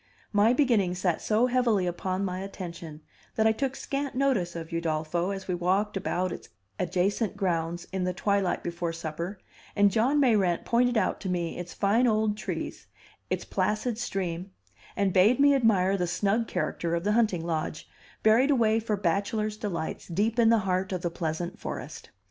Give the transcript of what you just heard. My beginning sat so heavily upon my attention that I took scant notice of Udolpho as we walked about its adjacent grounds in the twilight before supper, and John Mayrant pointed out to me its fine old trees, its placid stream, and bade me admire the snug character of the hunting lodge, buried away for bachelors' delights deep in the heart of the pleasant forest.